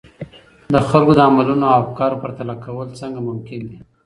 د خلګو د عملونو او افکارو پرتله کول څنګه ممکن دي؟